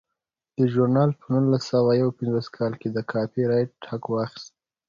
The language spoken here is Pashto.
دې ژورنال په نولس سوه یو پنځوس کال کې د کاپي رایټ حق واخیست.